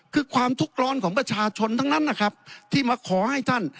คือความทุกข์ร้อนของประชาชนทั้งนั้นนะครับที่มาขอให้ท่าน